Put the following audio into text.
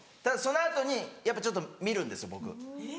ただその後にやっぱちょっと見るんです僕。